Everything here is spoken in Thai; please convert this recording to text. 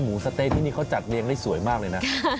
สะเต๊ะที่นี่เขาจัดเลี้ยงได้สวยมากเลยนะ